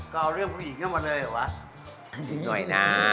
ก็เอาเรื่องผู้หญิงเข้ามาเลยเหรอวะ